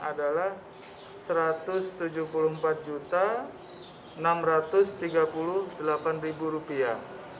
adalah satu ratus tujuh puluh empat enam ratus tiga puluh delapan rupiah